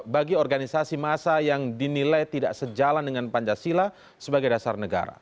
bagi organisasi masa yang dinilai tidak sejalan dengan pancasila sebagai dasar negara